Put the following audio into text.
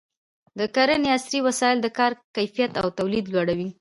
د کرنې عصري وسایل د کار کیفیت او تولید لوړوي.